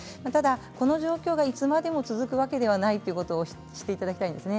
この状況はいつまでも続くわけじゃないということを知っておきたいですね。